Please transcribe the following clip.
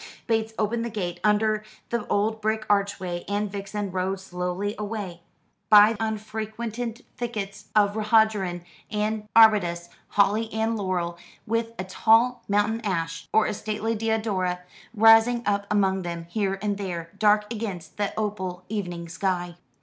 Bates opened the gate under the old brick archway, and Vixen rode slowly away, by unfrequented thickets of rhododendron and arbutus, holly and laurel, with a tall mountain ash, or a stately deodora, rising up among them, here and there, dark against the opal evening sky.